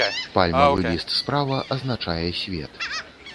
Пальмавы ліст справа азначае свет.